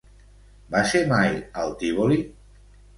Va ser mai al Tívoli?